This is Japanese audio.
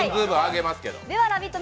「ラヴィット！」